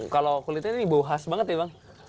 kalau kulitnya ini bau khas banget ya bang